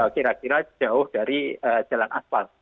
kira kira jauh dari jalan aspal